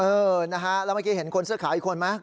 เออนะฮะแล้วเมื่อกี้เห็นคนเสื้อขาวอีกคนไหม